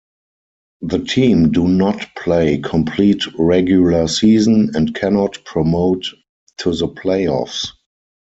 The team do not play complete regular season and cannot promote to the playoffs.